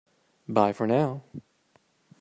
Bye for now!